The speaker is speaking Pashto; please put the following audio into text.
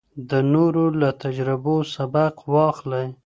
د نورو له تجربو سبق واخلئ.